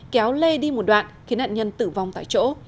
kéo lê đi một đoạn khiến nạn nhân tử vong tại chỗ